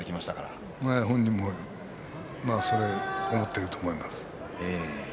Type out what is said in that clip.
本人もそのことを思っていると思います。